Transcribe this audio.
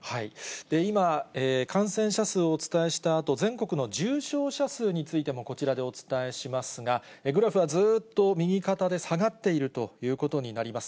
今、感染者数をお伝えしたあと、全国の重症者数についてもこちらでお伝えしますが、グラフはずっと右肩で下がっているということになります。